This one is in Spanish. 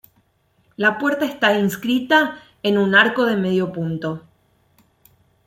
La puerta está inscrita en un arco de medio punto.